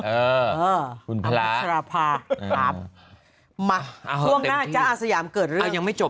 เออคุณพระมาช่วงหน้าจ้าอาสยามเกิดเรื่อง